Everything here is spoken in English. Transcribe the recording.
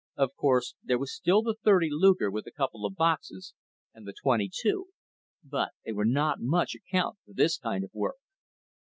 Of course, there was still the .30 Luger with a couple of boxes, and the .22; but they were not much account for this kind of work.